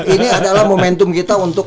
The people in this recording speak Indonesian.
ini adalah momentum kita untuk